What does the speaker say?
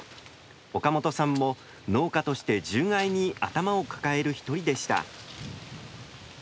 岡本さんも農家として獣害に頭を抱える一人でした。